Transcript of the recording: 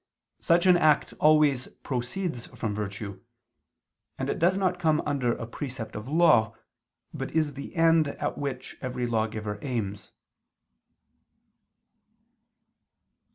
Such an act always proceeds from virtue: and it does not come under a precept of law, but is the end at which every lawgiver aims.